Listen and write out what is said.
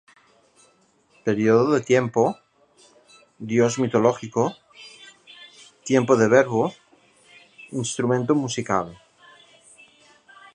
«periodo de tiempo», «Dios mitológico», «tiempo de verbo», «instrumento musical»...